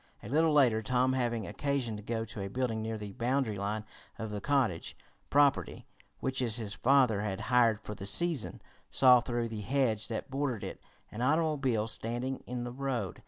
A little later, Tom having occasion to go to a building near the boundary line of the cottage property which his father had hired for the season, saw, through the hedge that bordered it, an automobile standing in the road.